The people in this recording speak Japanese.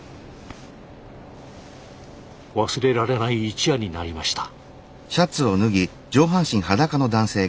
忘れられない一夜になりました。